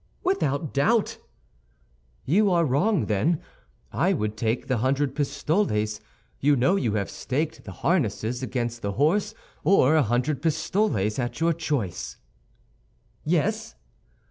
"Without doubt." "You are wrong, then. I would take the hundred pistoles. You know you have staked the harnesses against the horse or a hundred pistoles, at your choice." "Yes."